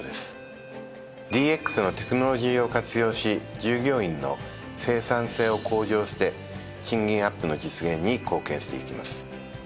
ＤＸのテクノロジーを活用し従業員の生産性を向上して賃金アップの実現に貢献していきます。